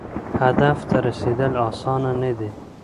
هدف ته رسیدل اسانه نه دي.